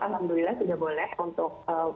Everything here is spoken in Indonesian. alhamdulillah sudah boleh untuk